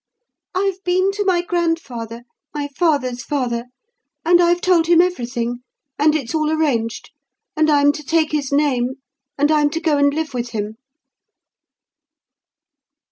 "I've been to my grandfather, my father's father; and I've told him everything; and it's all arranged: and I'm to take his name; and I'm to go and live with him."